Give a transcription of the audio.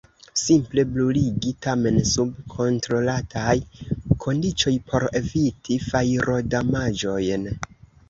Simple bruligi – tamen sub kontrolataj kondiĉoj por eviti fajrodamaĝojn.